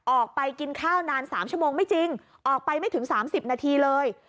ออกไปกินข้าวนาน๓ชั่วโมงไม่จริงออกไปไม่ถึง๓๐นาทีเลย